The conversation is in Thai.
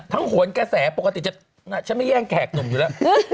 ทั้งโหลนกระแสปกติจะน่ะฉันไม่แย่งแขกหนุ่มอยู่แล้ว